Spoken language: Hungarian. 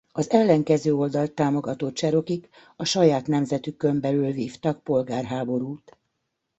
Az ellenkező oldalt támogató cserokik a saját nemzetükön belül vívtak polgárháborút.